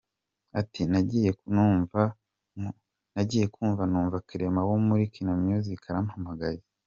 Ati “ Nagiye kumva numva Clement wo muri Kina music arampamagaye.